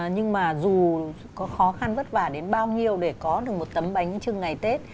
nhưng mà dù có khó khăn vất vả đến bao nhiêu để có được một tấm bánh trưng ngày tết